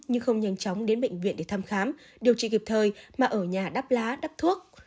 nhưng không nhanh chóng đến bệnh viện để thăm khám điều trị kịp thời mà ở nhà đắp lá đắp thuốc